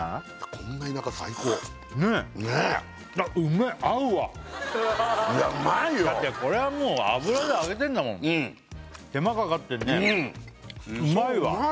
こんな田舎最高ねっねっいやうまいよだってこれはもう油で揚げてんだもんうん手間かかってんねうまいわうん！